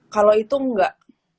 kalau itu nggak